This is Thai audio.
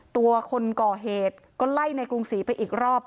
ตัวคนก่อเหตุก็ไล่ในกรุงศรีไปอีกรอบ